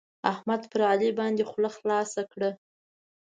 احمد پر علي باندې خوله خلاصه کړه.